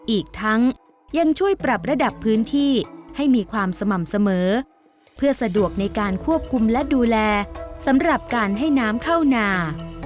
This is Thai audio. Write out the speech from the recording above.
อีกทั้งยังช่วยปรับระดับพื้นที่ให้มีความสม่ำเสมอเพื่อสะดวกในการควบคุมและดูแลสำหรับการให้น้ำเข้านา